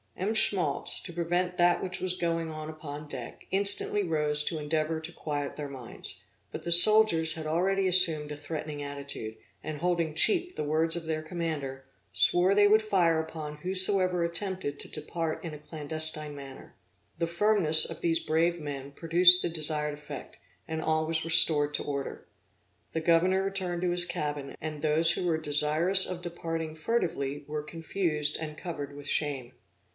M. Schmaltz, to prevent that which was going on upon deck, instantly rose to endeavor to quiet their minds; but the soldiers had already assumed a threatening attitude, and holding cheap the words of their commander, swore they would fire upon whosoever attempted to depart in a clandestine manner. The firmness of these brave men produced the desired effect, and all was restored to order. The governor returned to his cabin; and those who were desirous of departing furtively were confused and covered with shame.